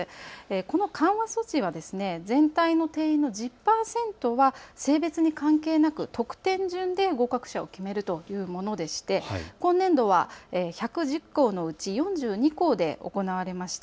この緩和措置は全体の定員の１０％は性別に関係なく得点順で合格者を決めるというものでして今年度は１１０校のうち４２校で行われました。